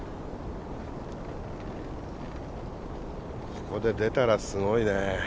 ここで出たらすごいね。